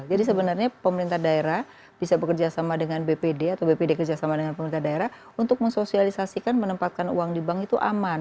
jadi sebenarnya pemerintah daerah bisa bekerja sama dengan bpd atau bpd kerja sama dengan pemerintah daerah untuk mensosialisasikan menempatkan uang di bank itu aman